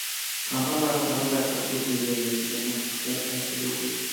هغه لاس تړلی کس وپېژنده چې د معشوقې قاتل یې و